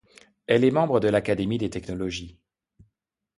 Elle est membre de l'Académie des technologies.